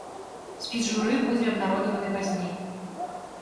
Спіс журы будзе абнародаваны пазней.